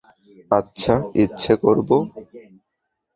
আচ্ছা, ইচ্ছে করব।